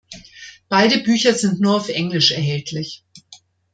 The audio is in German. Beide Bücher sind nur auf Englisch erhältlich.